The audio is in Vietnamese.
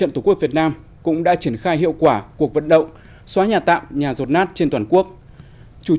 ubnd tổ quốc việt nam cũng đã triển khai hiệu quả cuộc vận động xóa nhà tạm nhà ruột nát trên toàn quốc